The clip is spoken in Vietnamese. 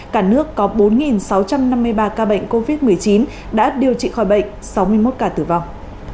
cả nước có bốn sáu trăm năm mươi ba ca bệnh covid một mươi chín đã điều trị khỏi bệnh sáu mươi một ca tử vong